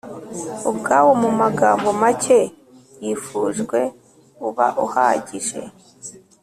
ubwawo mu magambo make yifujwe uba uhagije